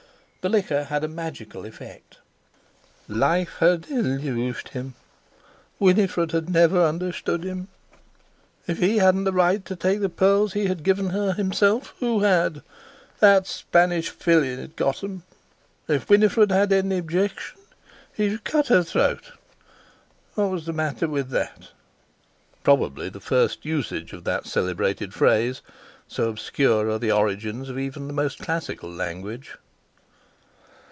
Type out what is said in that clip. The liquor had a magical effect. Life had illused him; Winifred had never "unshtood'm." If he hadn't the right to take the pearls he had given her himself, who had? That Spanish filly had got'm. If Winifred had any 'jection he w'd cut—her—throat. What was the matter with that? (Probably the first use of that celebrated phrase—so obscure are the origins of even the most classical language!)